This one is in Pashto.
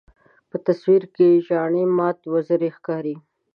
په تصویر کې زاڼې مات وزرې ښکاري.